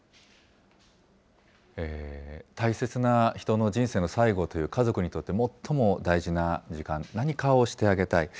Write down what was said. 大切な人の人生の最期という、家族にとって最も大事な時間、何かをしてあげたい。